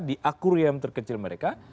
di akurium terkecil mereka